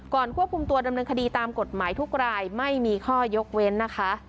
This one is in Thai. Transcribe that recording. ควบคุมตัวดำเนินคดีตามกฎหมายทุกรายไม่มีข้อยกเว้นนะคะ